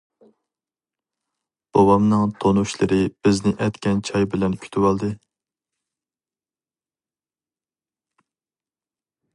بوۋامنىڭ تونۇشلىرى بىزنى ئەتكەن چاي بىلەن كۈتۈۋالدى.